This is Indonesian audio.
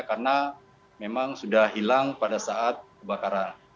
karena memang sudah hilang pada saat kebakaran